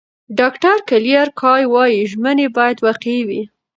ډاکټره کلیر کای وايي، ژمنې باید واقعي وي.